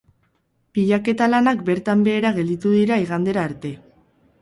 Bilaketa lanak bertan behera gelditu dira igandera arte.